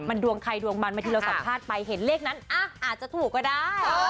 มันดวงใครดวงมันบางทีเราสัมภาษณ์ไปเห็นเลขนั้นอาจจะถูกก็ได้